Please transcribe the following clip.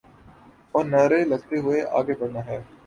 اورنعرے لگاتے ہوئے آگے بڑھنا تھا۔